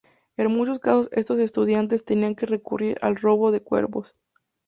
En muchos casos estos estudiantes tenían que recurrir al robo de cuerpos.